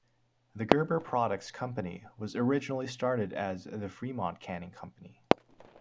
The Gerber Products Company was originally started as the Fremont Canning Company.